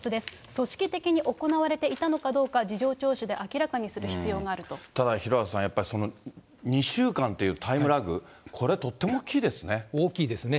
組織的に行われていたのかどうか、事情聴取で明らただ、廣畑さん、やっぱり、２週間というタイムラグ、これ、大きいですね。